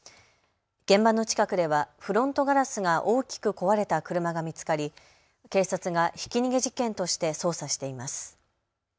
現場の近くではフロントガラスが大きく壊れた車が見つかり警察がひき逃げ事件として捜査しています。